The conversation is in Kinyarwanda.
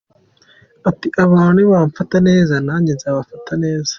Iti “Abantu nibamfata neza nanjye nzabafata neza.